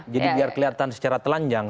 jadi biar kelihatan secara telanjang